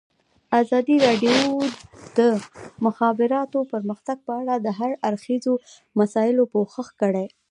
ازادي راډیو د د مخابراتو پرمختګ په اړه د هر اړخیزو مسایلو پوښښ کړی.